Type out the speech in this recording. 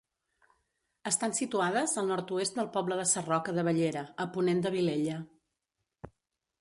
Estan situades al nord-oest del poble de Sarroca de Bellera, a ponent de Vilella.